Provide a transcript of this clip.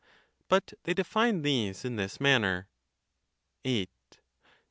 135 But they define these in this manner: VIII.